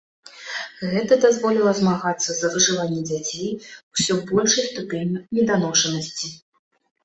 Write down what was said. Гэта дазволіла змагацца за выжыванне дзяцей з усё большай ступенню неданошанасці.